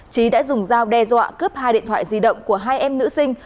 trí đã dùng dao đe dọa cướp hai điện thoại di động của hai em nữ sinh